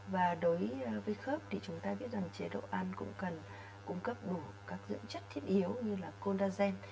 và đối với khớp thì chúng ta biết rằng chế độ ăn cũng cần cung cấp đủ các dưỡng chất thiết yếu như là codagen